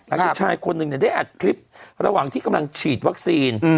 ชายคนหนึ่งได้อัดคลิประหว่างที่กำลังฉีดวัคซีน